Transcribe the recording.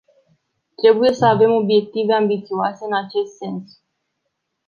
Trebuie să avem obiective ambițioase în acest sens.